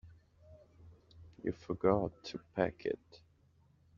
You forgot to pack it.